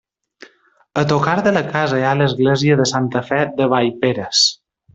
A tocar de la casa hi ha l'església de Santa Fe de Valldeperes.